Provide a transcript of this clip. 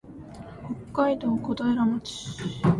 北海道古平町